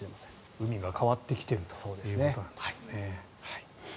海が変わってきているということでしょうね。